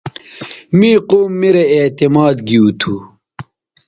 می قوم میرے اعتماد گیوتھو